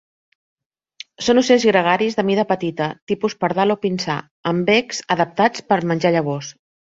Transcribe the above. Són ocells gregaris de mida petita, tipus pardal o pinsà, amb becs adaptats per menjar llavors.